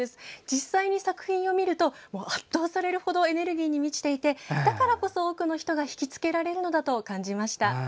実際に作品を見ると圧倒されるほどエネルギーに満ちていてだからこそ、多くの人が引き付けられるのだと感じました。